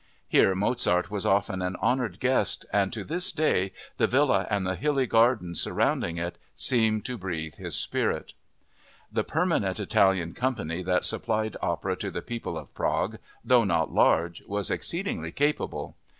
Here Mozart was often an honored guest, and to this day the villa and the hilly gardens surrounding it seem to breathe his spirit. The permanent Italian company that supplied opera to the people of Prague, though not large, was exceedingly capable.